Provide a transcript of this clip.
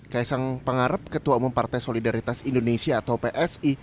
kaisang pangarep ketua umum partai solidaritas indonesia atau psi